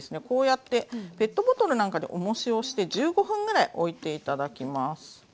こうやってペットボトルなんかでおもしをして１５分ぐらいおいて頂きます。